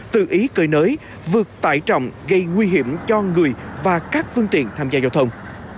tự ý cơi nới vượt tải trọng gây nguy hiểm cho người và các phương tiện tham gia giao thông